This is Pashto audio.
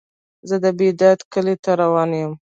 زه بیداد کلی ته روان یم.